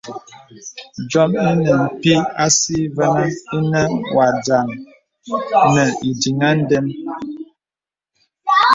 Dìōm inə pī àsí vənə inə wà dìaŋ nì ìdiŋ à ndəm.